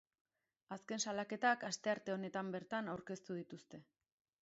Azken salaketak astearte honetan bertan aurkeztu dituzte.